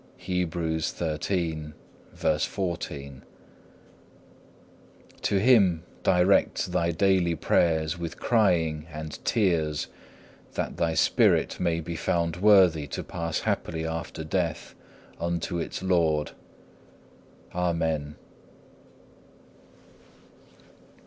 (3) To Him direct thy daily prayers with crying and tears, that thy spirit may be found worthy to pass happily after death unto its Lord. Amen.